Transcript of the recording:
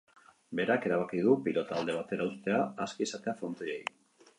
Berak erabaki du pilota alde batera uztea, aski esatea frontoiei.